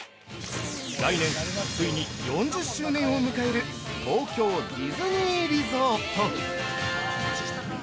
来年、ついに４０周年を迎える東京ディズニーリゾート。